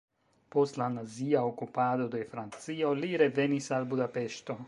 Post la nazia okupado de Francio li revenis al Budapeŝto.